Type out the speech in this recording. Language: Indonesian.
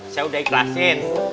saya udah ikhlasin